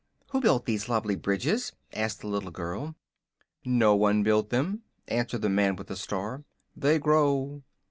"Who built these lovely bridges?" asked the little girl. "No one built them," answered the man with the star. "They grow."